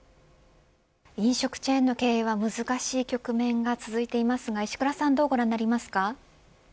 飲食チェーンの経営は難しい局面が続いていますが石倉さんどうご覧になりますか。